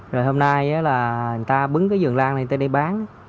rồi hôm nay á là người ta bứng cái vườn lan này tới đây bán